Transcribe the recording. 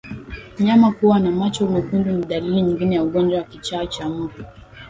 Mnyama kuwa na macho mekundu ni dalili nyingine ya ugonjwa wa kichaa cha mbwa